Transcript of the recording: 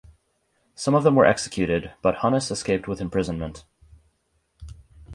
Some of them were executed, but Hunnis escaped with imprisonment.